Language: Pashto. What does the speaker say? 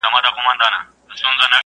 باطل د باطل په وړاندي نه سي درېدلی.